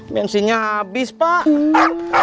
bensinnya habis pak